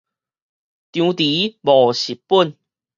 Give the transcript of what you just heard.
張持無蝕本